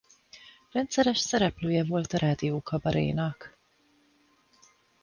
Rendszeres szereplője volt a Rádiókabarénak.